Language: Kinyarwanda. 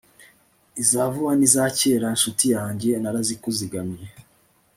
iza vuba n'iza kera; ncuti yanjye, narazikuzigamiye